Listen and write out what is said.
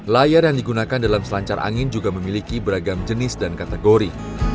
layar yang digunakan dalam selancar angin juga memiliki beragam jenis dan kategori